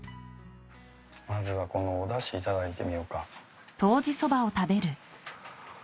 まずはこのおだし頂いてみようか。